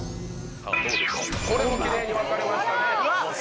これも奇麗に分かれましたね。